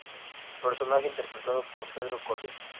Personaje interpretado por Pedro Colley.